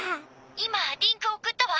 今リンク送ったわ。